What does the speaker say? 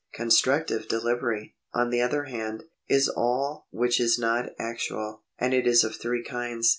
Constructive delivery, on the other hand, is all which is not actual, and it is of three kinds.